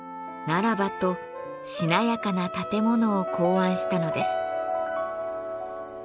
ならばとしなやかな立て物を考案したのです。